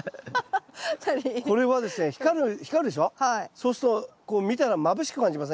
そうすると見たらまぶしく感じませんか？